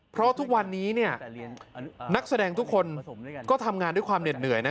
เพราะทุกวันนี้นักแสดงทุกคนก็ทำงานด้วยความเหน็ดเหนื่อยนะ